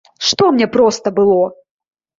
Што мне проста было?